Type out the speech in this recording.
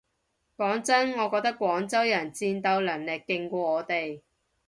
講真我覺得廣州人戰鬥能力勁過我哋